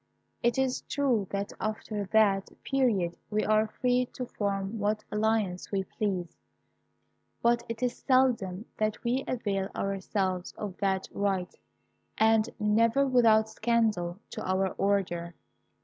It is true that after that period we are free to form what alliance we please; but it is seldom that we avail ourselves of that right, and never without scandal to our order.